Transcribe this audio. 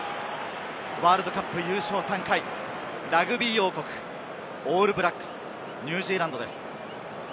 ワールドカップ優勝３回、ラグビー王国・オールブラックス、ニュージーランドです。